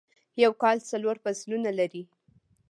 یوکال څلورفصلونه لري ..